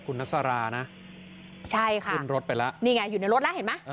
คุณนัสรานะใช่ค่ะขึ้นรถไปแล้วนี่ไงอยู่ในรถแล้วเห็นไหม